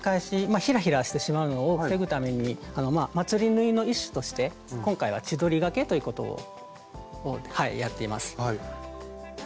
まあひらひらしてしまうのを防ぐためにまつり縫いの一種として今回は千鳥がけということをやっています。